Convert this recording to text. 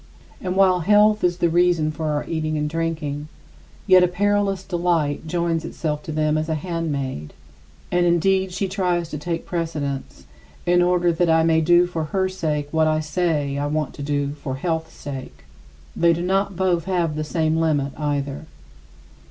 And while health is the reason for our eating and drinking, yet a perilous delight joins itself to them as a handmaid; and indeed, she tries to take precedence in order that I may want to do for her sake what I say I want to do for health's sake. They do not both have the same limit either.